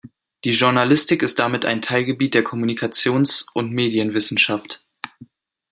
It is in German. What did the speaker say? Die Journalistik ist damit ein Teilgebiet der Kommunikations- und Medienwissenschaft.